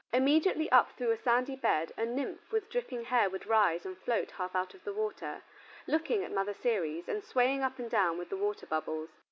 Immediately up through the sandy bed a nymph with dripping hair would rise and float half out of the water, looking at Mother Ceres, and swaying up and down with the water bubbles.